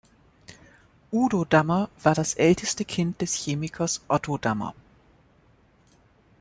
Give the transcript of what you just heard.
Udo Dammer war das älteste Kind des Chemikers Otto Dammer.